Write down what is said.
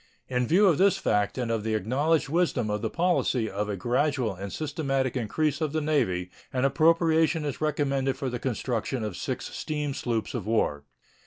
In view of this fact and of the acknowledged wisdom of the policy of a gradual and systematic increase of the Navy an appropriation is recommended for the construction of six steam sloops of war.